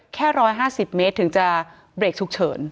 แค่๑๕๐เมตรถึงจะเบรกฉุกเฉิน